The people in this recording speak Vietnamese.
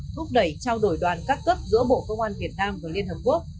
thúc đẩy trao đổi đoàn các cấp giữa bộ công an việt nam và liên hợp quốc